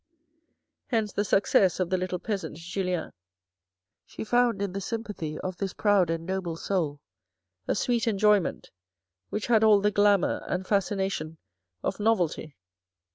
Hence the success of the little peasant Julien. She found in the sympathy of this proud and noble soul a sweet enjoy ment which had all the glamour and fascination of novelty.